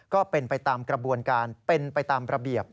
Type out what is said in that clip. ก็เป็นไปตามกระบวนการเป็นไปตามระเบียบ